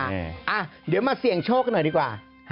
เดี๋ยวมาเสี่ยงโชคกันหน่อยดีกว่า